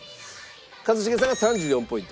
一茂さんが３４ポイント。